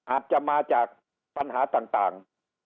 อาจจะมาจากปัญหาต่าง